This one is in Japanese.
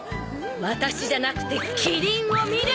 ワタシじゃなくてキリンを見る！